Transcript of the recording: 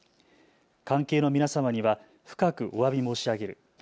関係の皆様には深くおわび申し上げる。